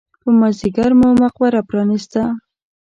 په مازیګر مو مقبره پرانېسته.